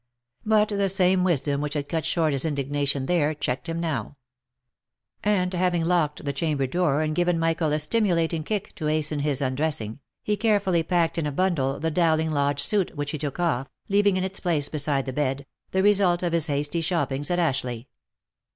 But the same wisdom which had cut short his indignation there, checked him now ; and having locked the chamber door, and given Michael a stimulating kick to hasten his undressing, he carefully packed in a bundle the Dowling Lodge suit which he took off, leaving in its place beside the bed, the result of his hasty shoppings at Ashleigh.